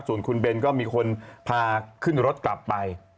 ส่วนคุณเบนก็มีคนพาขึ้นรถกลับไป